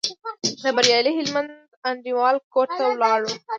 د بریالي هلمند انډیوال کور ته ولاړو.